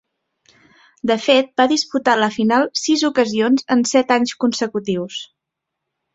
De fet, va disputar la final sis ocasions en set anys consecutius.